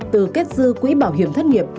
từ kết dư quỹ bảo hiểm thất nghiệp